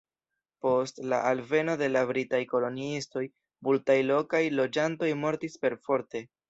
Post la alveno de la britaj koloniistoj, multaj lokaj loĝantoj mortis perforte.